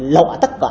lọa tất cả